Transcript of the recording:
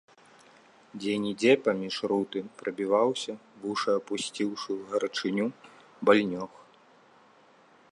Дзе-нідзе, паміж руты, прабіваўся, вушы апусціўшы ў гарачыню, быльнёг.